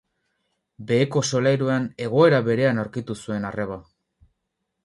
Beheko solairuan egoera berean aurkitu zuen arreba.